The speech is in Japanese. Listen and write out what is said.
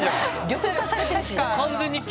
緑化されてるし。